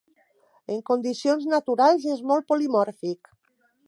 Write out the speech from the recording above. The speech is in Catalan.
En condicions naturals és molt polimòrfic.